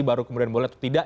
baru kemudian boleh atau tidak